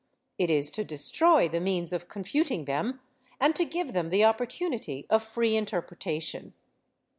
It is to destroy the means of confu ting them and to give them the opportunity of free interpretation."